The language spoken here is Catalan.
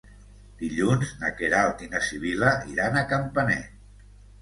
Dilluns na Queralt i na Sibil·la iran a Campanet.